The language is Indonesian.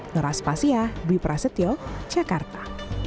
noras pasia biprasetyo jakarta